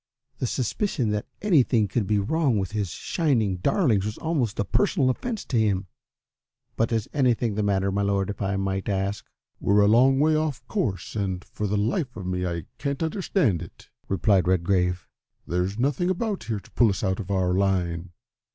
The suspicion that anything could be wrong with his shining darlings was almost a personal offence to him. "But is anything the matter, my Lord, if I might ask?" "We're a long way off our course, and for the life of me I can't understand it," replied Redgrave. "There's nothing about here to pull us out of our line.